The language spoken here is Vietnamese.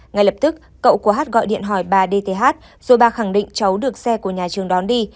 ngay lập tức cậu của hát gọi điện hỏi bà dth rồi bà khẳng định cháu được xe của nhà trường đón đi